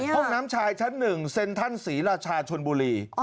ห้องน้ำชายชั้น๑เซ็นทรัลศรีราชาชนบุรี